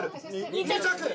２着。